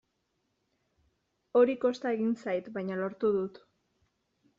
Hori kosta egin zait, baina lortu dut.